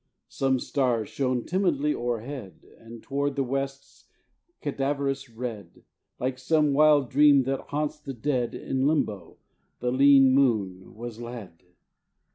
Some stars shone timidly o'erhead; And toward the west's cadaverous red Like some wild dream that haunts the dead In limbo the lean moon was led.